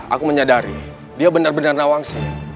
aku menyadari dia benar benar nawang esim